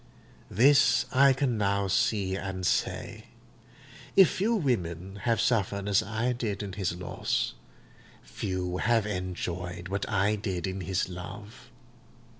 This I can now see and say: if few women have suffered as I did in his loss, few have enjoyed what I did in his love.